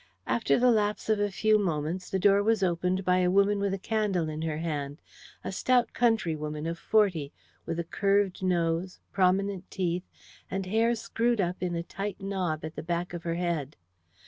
After the lapse of a few moments the door was opened by a woman with a candle in her hand a stout countrywoman of forty, with a curved nose, prominent teeth, and hair screwed up in a tight knob at the back of her head.